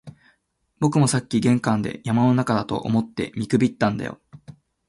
僕もさっき玄関で、山の中だと思って見くびったんだよ